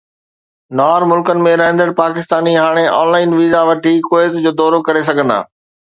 نار ملڪن ۾ رهندڙ پاڪستاني هاڻي آن لائن ويزا وٺي ڪويت جو دورو ڪري سگهندا